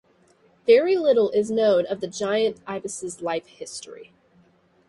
Very little is known of the giant ibis's life history.